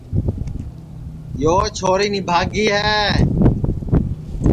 یو چھوری نِبھاگی ہے